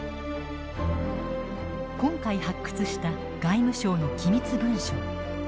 今回発掘した外務省の機密文書。